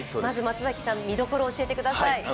まず見どころを教えてください。